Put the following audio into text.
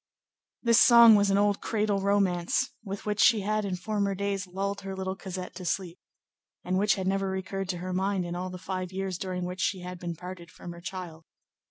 This song was an old cradle romance with which she had, in former days, lulled her little Cosette to sleep, and which had never recurred to her mind in all the five years during which she had been parted from her child.